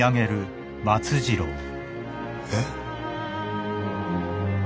えっ？